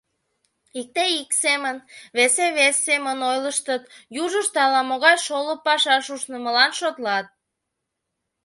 Икте ик семын, весе вес семын ойлыштыт, южышт ала-могай шолып пашаш ушнымылан шотлат.